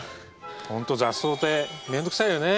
本当雑草って面倒くさいよね。